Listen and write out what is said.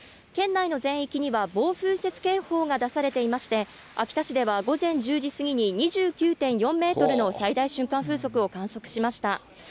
県内の全域には暴風雪警報が出されていまして、秋田市では午前１０時過ぎに２９．４メートルの最大瞬間風速を観測しました。